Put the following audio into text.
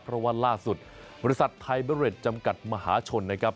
เพราะว่าล่าสุดบริษัทไทยเบอร์เรดจำกัดมหาชนนะครับ